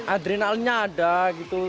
adrenalnya ada gitu